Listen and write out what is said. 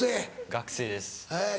学生です。